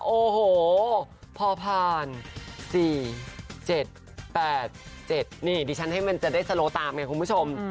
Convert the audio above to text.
โอ้โหพอผ่าน๔๗๘๗นี่ดิฉันให้มันจะได้สโลตามไงคุณผู้ชม